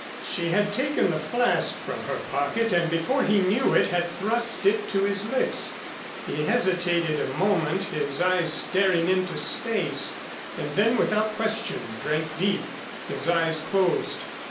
She had taken the flask from her pocket and before he knew it had thrust it to his lips. He hesitated a moment, his eyes staring into space and then without question, drank deep, his eyes closed.